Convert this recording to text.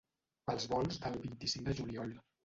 Pels volts del vint-i-cinc de juliol.